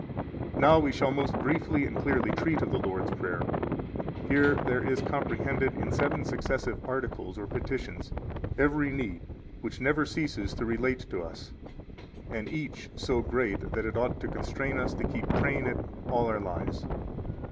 34 Now we shall most briefly and clearly treat of the Lord's Prayer. Here there is comprehended in seven successive articles, or petitions, every need which never ceases to relate to us, and each so great that it ought to constrain us to keep praying it all our lives.